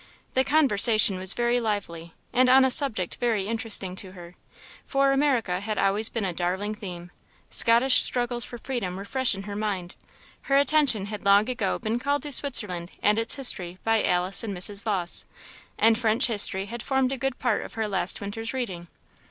The conversation was very lively, and on a subject very interesting to her; for America had always been a darling theme; Scottish struggles for freedom were fresh in her mind; her attention had long ago been called to Switzerland and its history by Alice and Mrs. Vawse, and French history had formed a good part of her last winter's reading.